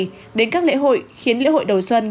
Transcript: khiến các lễ hội khiến lễ hội đầu xuân